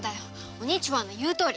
お兄ちゅわんの言うとおり。